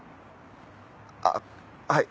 あっはい。